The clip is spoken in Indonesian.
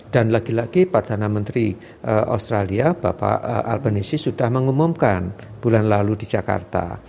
dan lagi lagi pak tana menteri australia bapak albanese sudah mengumumkan bulan lalu di jakarta